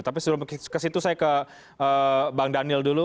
tapi sebelum kesitu saya ke bang daniel dulu